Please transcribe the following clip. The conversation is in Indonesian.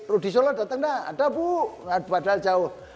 rudy solo datang gak ada bu padahal jauh